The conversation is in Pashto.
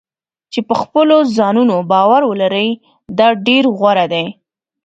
چې په خپلو ځانونو باور ولري دا ډېر غوره دی.